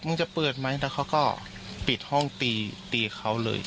จะเปิดไหมแล้วเขาก็ปิดห้องตีตีเขาเลย